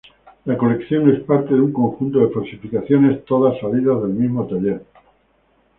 La colección es parte de un conjunto de falsificaciones, todas salidas del mismo taller.